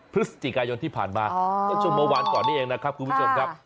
พฤศจิกายนที่ผ่านมาก็ช่วงเมื่อวานก่อนนี้เองนะครับคุณผู้ชมครับ